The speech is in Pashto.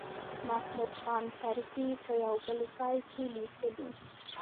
محمود خان طرزي په یو بل ځای کې لیکلي.